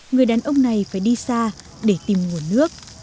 người đàn ông này phải đi xa để tìm nguồn nước